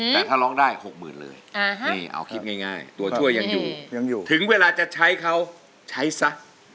แต่ถ้าร้องได้๖๐๐๐เลยนี่เอาคิดง่ายตัวช่วยยังอยู่ยังอยู่ถึงเวลาจะใช้เขาใช้ซะ